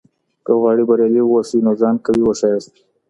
که غواړې بریالی واوسې؛ نو ځان قوي وښیاست!